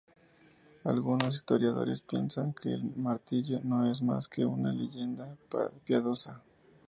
Algunos historiadores piensan que el martirio no es más que una leyenda piadosa.